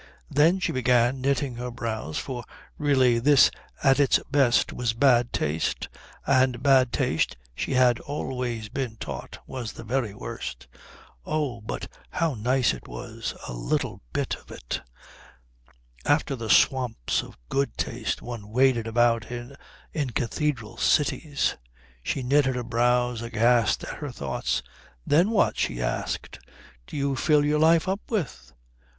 "Then," she began, knitting her brows, for really this at its best was bad taste, and bad taste, she had always been taught, was the very worst oh, but how nice it was, a little bit of it, after the swamps of good taste one waded about in in cathedral cities! She knitted her brows, aghast at her thoughts. "Then what," she asked, "do you fill your life up with?"